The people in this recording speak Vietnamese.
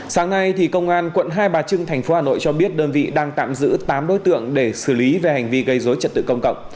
sáng nay công an quận hai bà trưng tp hà nội cho biết đơn vị đang tạm giữ tám đối tượng để xử lý về hành vi gây dối trật tự công cộng